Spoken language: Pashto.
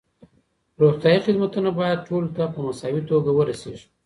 روغتیايي خدمتونه باید ټولو ته په مساوي توګه ورسیږي.